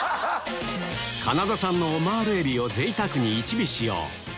カナダ産のオマールエビを贅沢に１尾使用